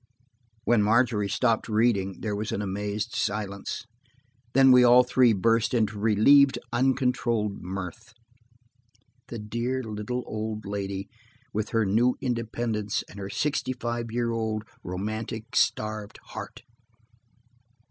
When Margery stopped reading, there was an amazed silence. Then we all three burst into relieved, uncontrolled mirth. The dear, little, old lady with her new independence and her sixty five year old, romantic, starved heart!